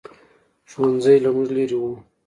ښوؤنځی له موږ لرې ؤ